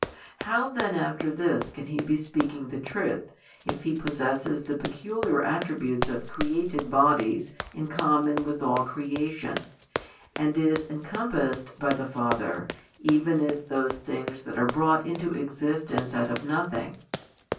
How then after this can He be speaking the truth, if He possesses the peculiar attributes of [created] bodies in common with all creation, and is "encompassed" by the Father, even as those things that are brought into existence out of nothing?